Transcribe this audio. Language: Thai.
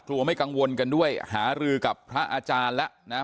ไม่กังวลกันด้วยหารือกับพระอาจารย์แล้วนะฮะ